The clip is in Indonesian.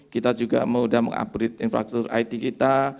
kita juga sudah mengupgrade infrastruktur it kita